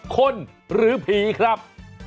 คนหรือผีครับ